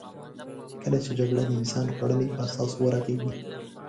کله چې جګړه د انسان خوړنې په اساس ورغېږې.